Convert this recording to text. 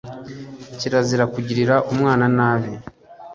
Kirazira kugirira umwana nabi.